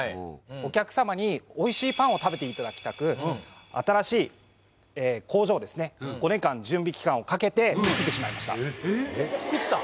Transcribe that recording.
お客様においしいパンを食べていただきたく新しい工場ですね５年間準備期間をかけて造ってしまいました造った？